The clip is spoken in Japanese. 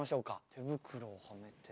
手袋をはめて。